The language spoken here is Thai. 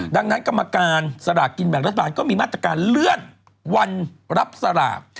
ดังนั้นกรรมการสลากกินแบ่งรัฐบาลก็มีมาตรการเลื่อนวันรับสลาก